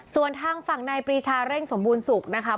ส่วนทางฝั่งนายปรีชาเร่งสมบูรณสุขนะคะ